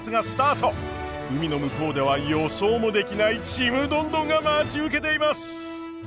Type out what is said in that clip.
海の向こうでは予想もできないちむどんどんが待ち受けています。